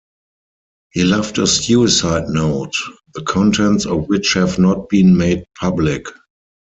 He left a suicide note, the contents of which have not been made public.